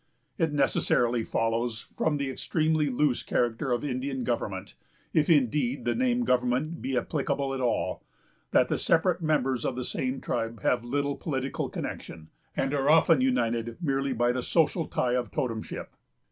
It necessarily follows, from the extremely loose character of Indian government,——if indeed the name government be applicable at all,——that the separate members of the same tribe have little political connection, and are often united merely by the social tie of totemship.